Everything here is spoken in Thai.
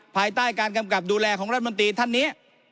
ภายใต้การกำกับดูแลของรัฐมนตรีท่านนี้